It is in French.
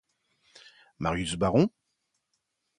Marius baron?